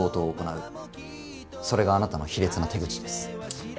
それがあなたの卑劣な手口です。